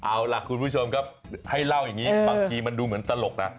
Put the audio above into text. เอาละคุณผู้ชมให้เล่าอย่างนี้มีมันเหมือนสลักนะ